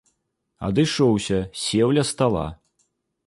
Адышоўся, сеў ля стала.